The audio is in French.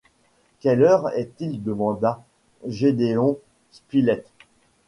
Quelle heure est-il demanda Gédéon Spilett